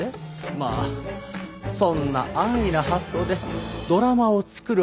まあそんな安易な発想でドラマを作るはずが。